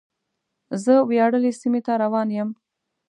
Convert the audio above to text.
زه وياړلې سیمې ته روان یم.